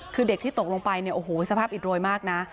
คือเด็กที่ตกลงไปเนี่ยโอ้โหสภาพอิดโรยมากนะ